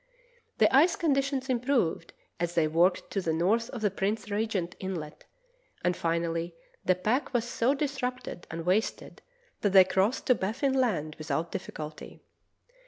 The ice conditions improved as they worked to the north end of Prince Regent Inlet, and finally the pack was so disrupted and wasted that they crossed to Baffin Land without difficulty.